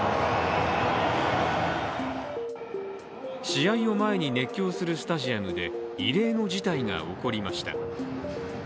試合を前に熱狂するスタジアムで異例の事態が起こりました。